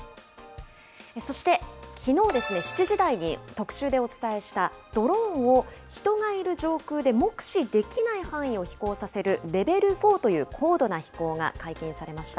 そして、きのうですね、７時台に特集でお伝えした、ドローンを人がいる上空で目視できない範囲を飛行させるレベル４という高度な飛行が解禁されました。